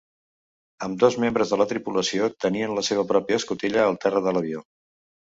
Ambdós membres de la tripulació tenien la seva pròpia escotilla al terra de l'avió.